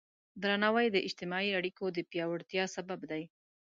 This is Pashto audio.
درناوی د اجتماعي اړیکو د پیاوړتیا سبب دی.